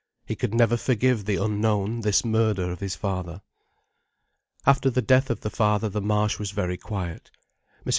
He could never forgive the Unknown this murder of his father. After the death of the father, the Marsh was very quiet. Mrs.